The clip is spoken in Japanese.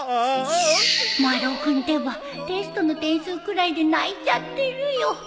丸尾君ってばテストの点数くらいで泣いちゃってるよ